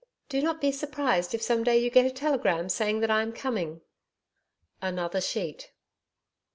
Do not be surprised if some day you get a telegram saying that I am coming.' Another sheet.